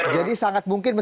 jadi sangat mungkin